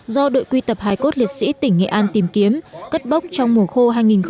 do đội quy tập hải cốt liệt sĩ tỉnh nghệ an tìm kiếm cất bốc trong mùa khô hai nghìn một mươi bảy hai nghìn một mươi tám